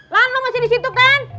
lan lu masih di situ kan